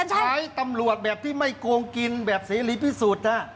ใช้ตำรวจแบบที่ไม่โกงกินแบบเสรีพิสุทธิ์